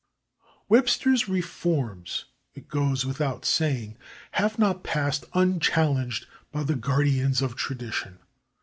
Webster's reforms, it goes without saying, have not passed unchallenged by the guardians of tradition.